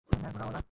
হ্যাঁ, ঘোড়াওয়ালা।